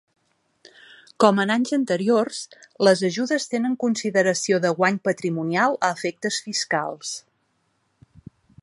Com en anys anteriors, les ajudes tenen consideració de guany patrimonial a efectes fiscals.